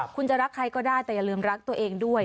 คุณจะรักใครก็ได้แต่อย่าลืมรักตัวเองด้วย